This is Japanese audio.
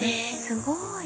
すごい。